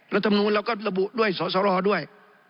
แล้วทำโน้นเราก็ระบุด้วยสร้อด้วย